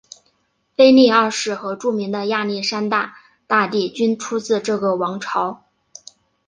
腓力二世和著名的亚历山大大帝均出自这个王朝。